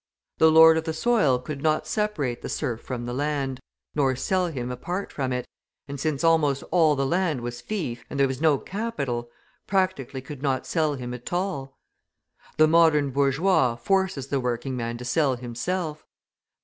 The lord of the soil could not separate the serf from the land, nor sell him apart from it, and since almost all the land was fief and there was no capital, practically could not sell him at all. The modern bourgeois forces the working man to sell himself.